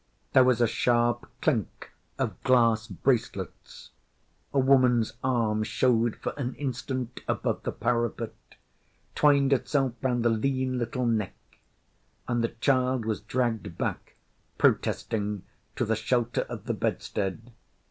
There was a sharp clink of glass bracelets; a woman’s arm showed for an instant above the parapet, twined itself round the lean little neck, and the child was dragged back, protesting, to the shelter of the bedstead.